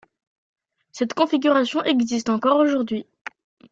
Cette configuration existe encore aujourd’hui.